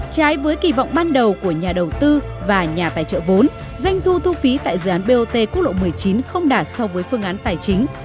trái với kỳ vọng ban đầu của nhà đầu tư và nhà tài trợ vốn doanh thu thu phí tại dự án bot quốc lộ một mươi chín không đạt so với phương án tài chính